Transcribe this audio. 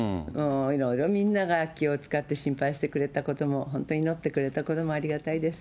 いろいろみんなが気を遣って、心配してくれたことも、本当に祈ってくれたこともありがたいです。